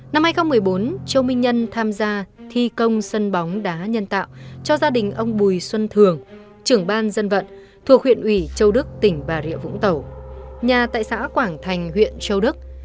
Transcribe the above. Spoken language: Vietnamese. năm hai nghìn một mươi bốn châu minh nhân tham gia thi công sân bóng đá nhân tạo cho gia đình ông bùi xuân thường trưởng ban dân vận thuộc huyện ủy châu đức tỉnh bà rịa vũng tàu nhà tại xã quảng thành huyện châu đức